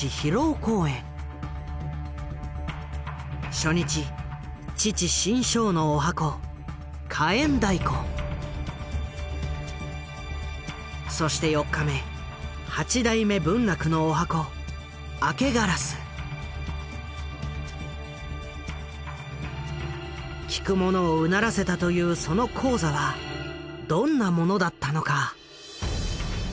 初日父志ん生の十八番そして４日目８代目文楽の十八番聞く者をうならせたというその高座はどんなものだったのか？